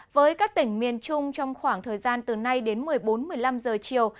với các tỉnh miền trung trong khoảng thời gian từ nay đến một mươi bốn một mươi năm giờ chiều